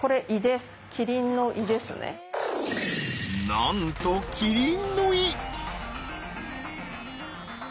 なんとキリンの胃！